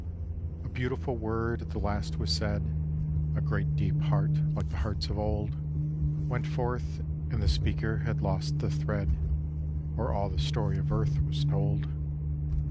A beautiful word at the last was said : A great deep heart like the hearts of old Went forth ; and the speaker had lost the thread, Or all the story of earth was told.